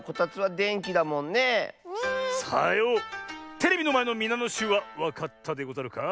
テレビのまえのみなのしゅうはわかったでござるか？